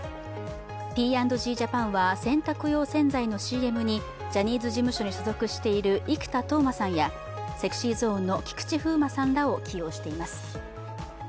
Ｐ＆Ｇジャパンは洗濯用洗剤のＣＭにジャニーズ事務所に所属している生田斗真さんやＳｅｘｙＺｏｎｅの菊池風磨さんらを起用しています。